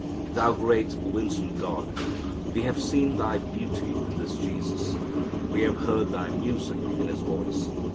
Thou great winsome God, we have seen Thy beauty in this Jesus. We have heard Thy music in His voice.